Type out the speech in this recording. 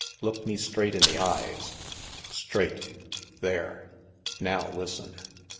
Look me straight in the eyes ... straight. There. Now listen!